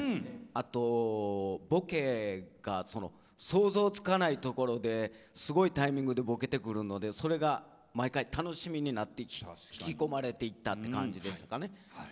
あとボケが想像つかないところですごいタイミングでボケてくるのでそれが毎回楽しみになって引き込まれていったという感じですかね。